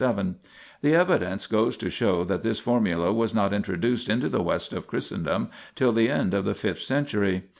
2 The evidence goes to show that this formula was not introduced into the West of Christendom till the end of the fifth century.